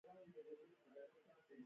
انګور په وږو کې راځي